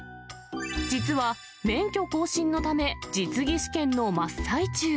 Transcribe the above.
実は免許更新のため、実技試験の真っ最中。